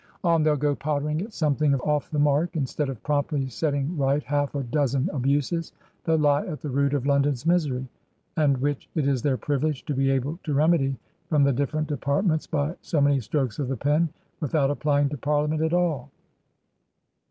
On they'll go pottering at something off the mark, instead of promptly setting right h^f a dozen abuses that lie at the root of London's misery, and which it is their privilege to be able to remedy from the different departments by so many strokes of the pen without applying to Parliament at all."